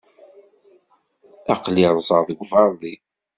Aql-i rrẓeɣ deg uberḍi.